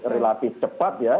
relatif cepat ya